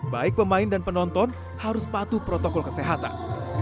baik pemain dan penonton harus patuh protokol kesehatan